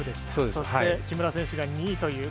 そして、木村選手が２位という。